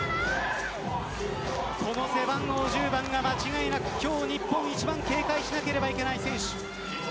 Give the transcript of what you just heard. この背番号１０番が間違いなく今日一番警戒しなければいけない選手。